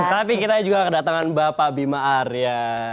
tapi kita juga kedatangan bapak bima arya